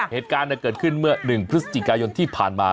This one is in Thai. เหตุการณ์เกิดขึ้นเมื่อ๑พฤศจิกายนที่ผ่านมา